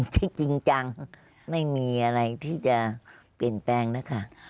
ที่จริงจังไม่มีอะไรที่จะเปลี่ยนแปลงนะคะ